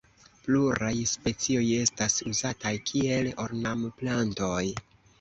Pluraj specioj estas uzataj kiel ornamplantoj.